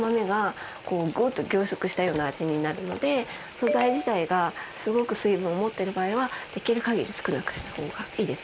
素材自体がすごく水分を持ってる場合はできるかぎり少なくしたほうがいいです。